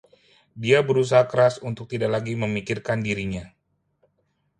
Dia berusaha keras untuk tidak lagi memikirkan dirinya.